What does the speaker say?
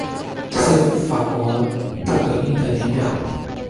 这是法国大革命的年表